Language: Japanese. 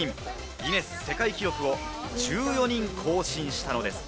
ギネス世界記録を１４人更新したのです。